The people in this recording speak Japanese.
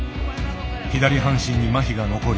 左半身にまひが残り